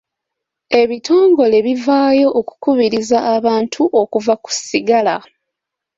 Ebitongole bivaayo okukubiriza abantu okuva ku sigala.